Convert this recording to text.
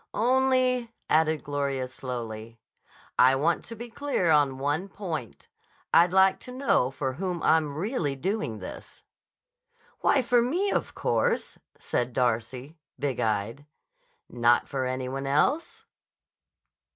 "Only," added Gloria slowly, "I want to be clear on one point. I'd like to know for whom I'm really doing this." "Why, for me, of course," said Darcy, big eyed. "Not for any one else?"